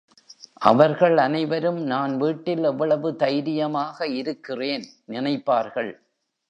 அவர்கள் அனைவரும் நான் வீட்டில் எவ்வளவு தைரியமாக இருக்கிறேன் நினைப்பார்கள்!